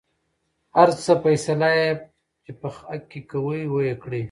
هر څه فيصله يې چې په حق کې کوۍ وېې کړۍ.